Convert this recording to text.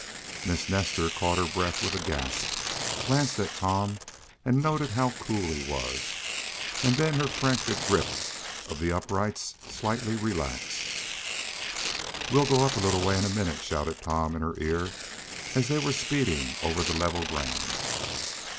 Miss Nestor caught her breath with a gasp, glanced at Tom, and noted how cool he was, and then her frantic grip of the uprights slightly relaxed. "We'll go up a little way in a minute!" shouted Tom in her ear as they were speeding over the level ground.